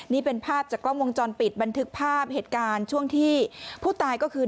นี่เป็นภาพจากกล้องวงจรปิดบันทึกภาพเหตุการณ์ช่วงที่ผู้ตายก็คือ